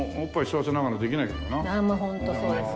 ホントそうです。